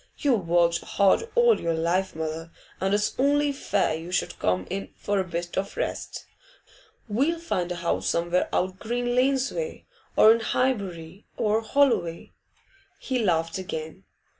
You've worked hard all your life, mother, and it's only fair you should come in for a bit of rest. We'll find a house somewhere out Green Lanes way, or in Highbury or Holloway.' He laughed again.